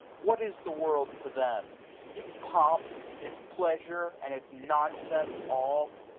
What is the world to them ? Its pomp, its pleasure, and its nonsense all